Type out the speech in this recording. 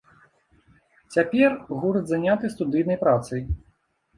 Цяпер гурт заняты студыйнай працай.